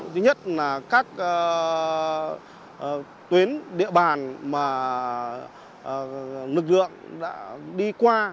thứ nhất là các tuyến địa bàn mà lực lượng đã đi qua